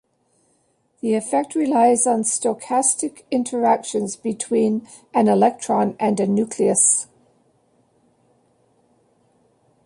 This effect relies on stochastic interactions between an electron and a nucleus.